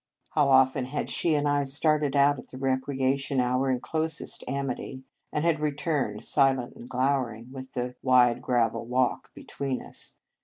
How often had she and I started out at the recreation hour in closest amity, and had re turned, silent and glowering, with the wide gravel walk between us.